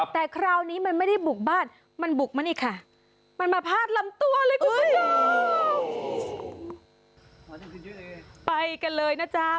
แต่คราวนี้มันไม่ได้บุกบ้านมันบุกมานี่คะ